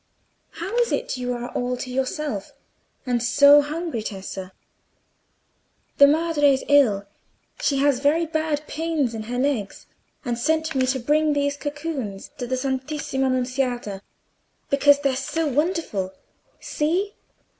"How is it you are all by yourself, and so hungry, Tessa?" "The Madre is ill; she has very bad pains in her legs, and sent me to bring these cocoons to the Santissima Nunziata, because they're so wonderful; see!"